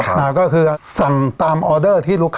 เหลืองซักไม่ออก